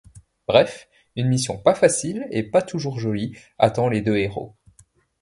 Bref, une mission pas facile et pas toujours jolie attend les deux héros.